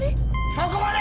そこまで！